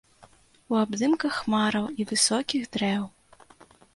У абдымках хмараў і высокіх дрэў.